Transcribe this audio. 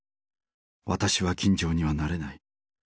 私は金城にはなれない。